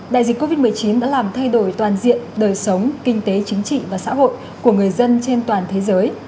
đại dịch covid một mươi chín đã làm thay đổi toàn diện đời sống kinh tế chính trị và xã hội của người dân trên toàn thế giới